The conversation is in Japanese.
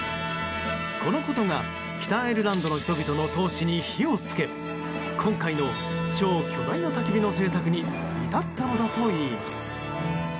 このことが北アイルランドの人々の闘志に火を付け今回の超巨大な、たき火の制作に至ったのだといいます。